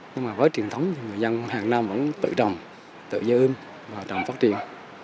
nhưng mà với truyền thống thì người dân hàng năm vẫn tự trồng tự giơm và trồng phát triển